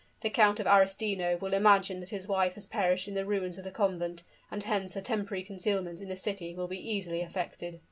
The Count of Arestino will imagine that his wife has perished in the ruins of the convent; and hence her temporary concealment in the city will be easily effected."